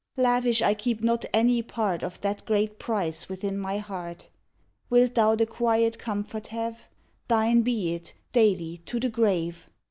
Lavish, I keep not any part Of that great price within my heart. Wilt thou the quiet comfort have? Thine be it, daily, to the grave!